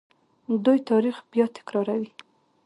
دوی تاریخ بیا تکراروي.